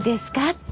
って。